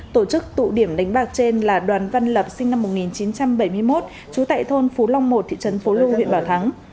tổ chức tụ điểm đánh bạc trên là đoàn văn lập sinh năm một nghìn chín trăm bảy mươi một trú tại thôn phú long một thị trấn phố lu huyện bảo thắng